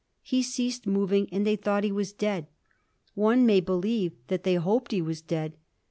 He ceased moving, and they thought he was dead. One may believe that they hoped he was dead.